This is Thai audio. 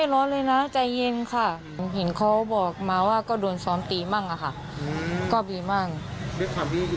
ด้วยความที่อีกฝ่ายเมาเลย